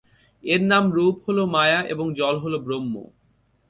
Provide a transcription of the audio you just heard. এই নাম-রূপ হল মায়া এবং জল হল ব্রহ্ম।